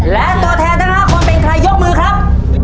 และตัวแทนทั้ง๕คนเป็นใครยกมือครับ